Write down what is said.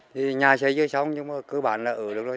thì nhà xây chưa xong nhưng mà cơ bản là ở được rồi